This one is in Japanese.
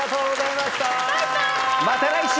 また来週！